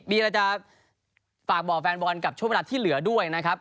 มีอะไรจะฝากบอกแฟนบอลกับช่วงเวลาที่เหลือด้วยนะครับ